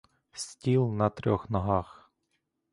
Стіл на трьох ногах.